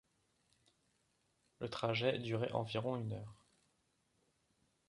Le trajet durait environ une heure.